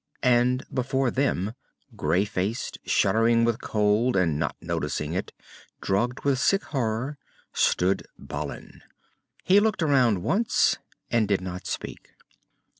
And before them, grey faced, shuddering with cold and not noticing it, drugged with a sick horror, stood Balin. He looked around once, and did not speak.